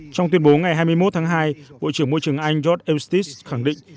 trong tuyên bố ngày hai mươi một tháng hai bộ trưởng môi trường anh george eustis khẳng định